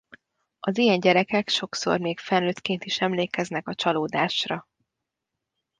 Az ilyen gyerekek sokszor még felnőttként is emlékeznek a csalódásra.